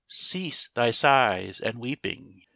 cease thy sighs and weeping!